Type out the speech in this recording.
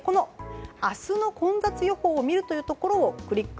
明日の混雑予報を見るというところをクリック。